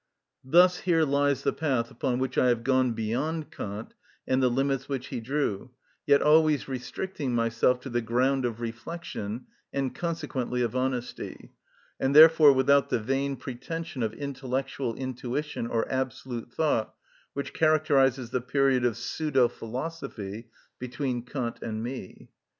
Thus here lies the path upon which I have gone beyond Kant and the limits which he drew, yet always restricting myself to the ground of reflection, and consequently of honesty, and therefore without the vain pretension of intellectual intuition or absolute thought which characterises the period of pseudo‐philosophy between Kant and me.